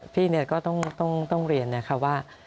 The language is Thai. พี่ก็ต้องเรียนนะคะว่า